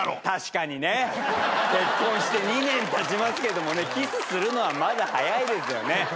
確かにね。結婚して２年たちますけどもねキスするのはまだ早いですよね。